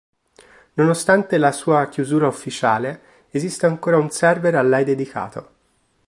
Nonostante la sua chiusura ufficiale, esiste ancora un server a lei dedicato.